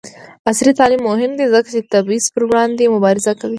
عصري تعلیم مهم دی ځکه چې د تبعیض پر وړاندې مبارزه کوي.